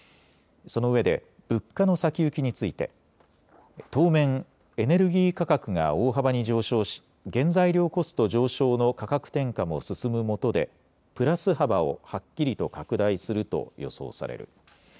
そのうえで物価の先行きについて当面、エネルギー価格が大幅に上昇し原材料コスト上昇の価格転嫁も進むもとでプラス幅をはっきりと拡大すると予想される。